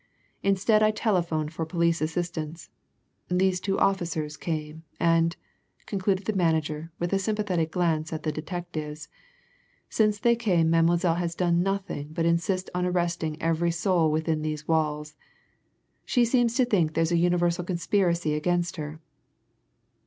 Instead I telephoned for police assistance. These two officers came. And," concluded the manager, with a sympathetic glance at the detectives, "since they came Mademoiselle has done nothing but insist on arresting every soul within these walls she seems to think there's a universal conspiracy against her."